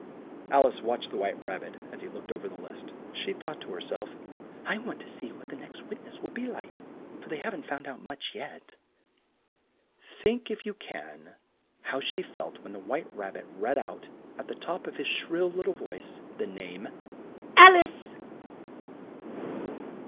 Al ice watched the White Rab bit as he looked o ver the list. She thought to her self, "I want to see what the next witness will be like, for they haven't found out much yet." Think, if you can, how she felt when the White Rab bit read out, at the top of his shrill lit tle voice, the name "Al ice!"